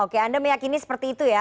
oke anda meyakini seperti itu ya